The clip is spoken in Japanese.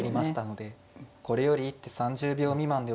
これより一手３０秒未満でお願いします。